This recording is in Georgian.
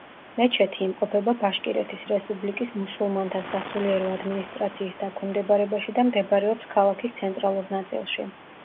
მეჩეთი იმყოფება ბაშკირეთის რესპუბლიკის მუსულმანთა სასულიერო ადმინისტრაციის დაქვემდებარებაში და მდებარეობს ქალაქის ცენტრალურ ნაწილში.